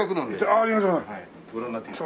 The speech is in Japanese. ありがとうございます。